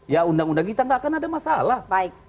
ya undang undang kita gak akan ada mas sasto